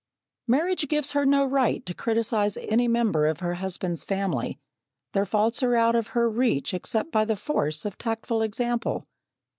Marriage gives her no right to criticise any member of her husband's family; their faults are out of her reach except by the force of tactful example.